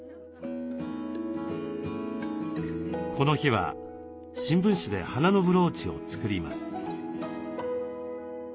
この日は新聞紙で花のブローチを作ります。